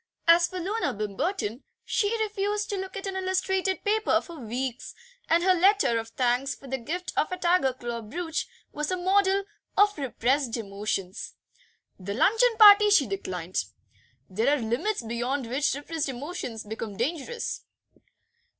As for Loona Bimberton, she refused to look at an illustrated paper for weeks, and her letter of thanks for the gift of a tiger claw brooch was a model of repressed emotions. The luncheon party she declined; there are limits beyond which repressed emotions become dangerous.